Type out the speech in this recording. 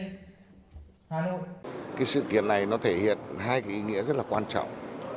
thưa quý vị sự kiện này thể hiện hai ý nghĩa rất quan trọng